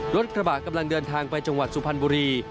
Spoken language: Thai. รถกระบะกำลังเดินทางไปจังหวัดสุพรรณบุรี